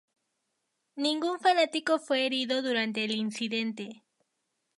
Ningún fanático fue herido durante el incidente.